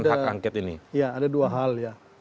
hak angket ini ya ada dua hal ya